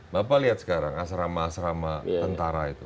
bapak lihat sekarang asrama asrama tentara itu